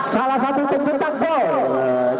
salah satu pencetak gol